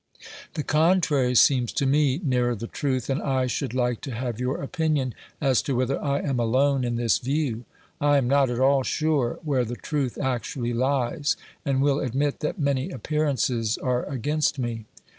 The contrary seems to me nearer the truth, and I should like to have your opinion as to whether I am alone in this view. I am not at all sure where the truth actually lies, and will admit that many appearances are against me.